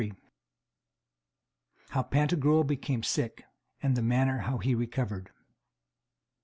How Pantagruel became sick, and the manner how he was recovered.